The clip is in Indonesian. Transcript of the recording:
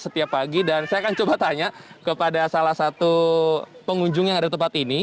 setiap pagi dan saya akan coba tanya kepada salah satu pengunjung yang ada di tempat ini